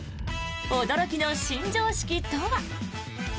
驚きの新常識とは。